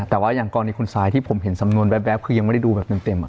แต่ว่าอย่างกรณีคุณซายที่ผมเห็นสำนวนแว๊บคือยังไม่ได้ดูแบบเต็ม